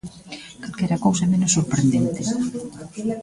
Calquera cousa menos sorprendente.